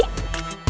tante mau makan malam